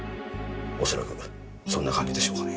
恐らくそんな感じでしょうかね。